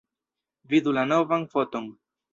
Vidu la novan foton.